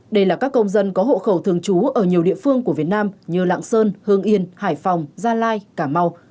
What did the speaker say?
đây là các công dân có hộ khẩu thường trú ở nhiều địa phương của việt nam như lạng sơn hương yên hải phòng gia lai cả mau